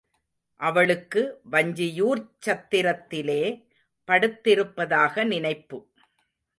அவளுக்கு வஞ்சியூர்ச் சத்திரத்திலே படுத்திருப்பதாக நினைப்பு.